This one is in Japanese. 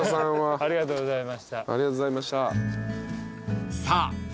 ありがとうございます。